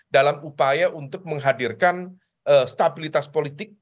dalam upaya untuk menghadirkan stabilitas politik